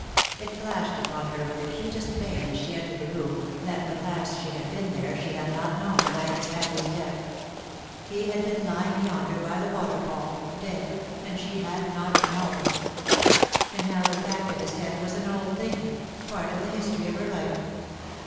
It flashed upon her with acutest pain as she entered the room, that when last she had been there she had not known of Angus Hamleigh's death. He had been lying yonder by the waterfall, dead, and she had not known. And now the fact of his death was an old thing — part of the history of her life.